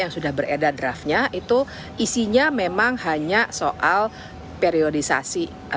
yang sudah beredar draftnya itu isinya memang hanya soal periodisasi